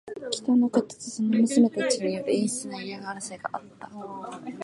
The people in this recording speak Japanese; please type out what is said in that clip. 北の方とその娘たちによる陰湿な嫌がらせがあった。